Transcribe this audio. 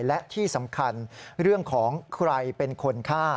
และที่สำคัญเรื่องของใครเป็นคนฆ่า